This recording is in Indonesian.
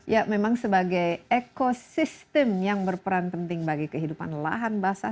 ya memang sebagai ekosistem yang berperan penting bagi kehidupan lahan basah